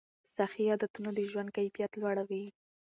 صحي عادتونه د ژوند کیفیت لوړوي.